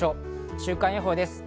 週間予報です。